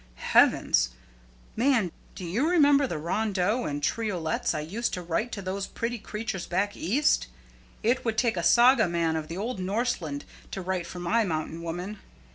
Heavens! man, do you remember the rondeaux and triolets I used to write to those pretty creatures back East? It would take a Saga man of the old Norseland to write for my mountain woman.